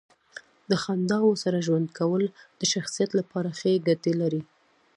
د خنداوو سره ژوند کول د شخصیت لپاره ښې ګټې لري.